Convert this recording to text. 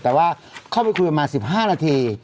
แต่ว่าเข้าไปคุยกันมา๑๕นาที